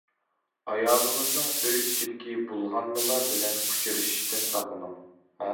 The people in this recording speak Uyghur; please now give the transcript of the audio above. ئايالىڭىزنىڭ ئۆي ئىچىدىكى بۇلغانمىلار بىلەن ئۇچرىشىشتىن ساقلىنىڭ.